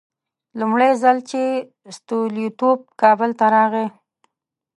لومړی ځل چې ستولیتوف کابل ته راغی.